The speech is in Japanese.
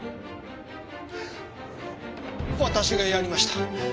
私がやりました。